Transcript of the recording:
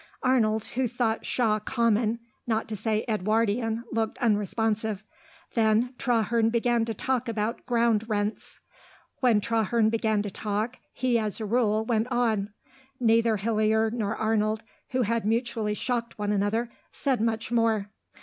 Arnold, who thought Shaw common, not to say Edwardian, looked unresponsive. Then Traherne began to talk about ground rents. When Traherne began to talk he as a rule went on. Neither Hillier nor Arnold, who had mutually shocked one another, said much more.